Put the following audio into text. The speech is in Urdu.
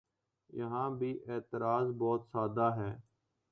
یہاں بھی اعتراض بہت سادہ ہے۔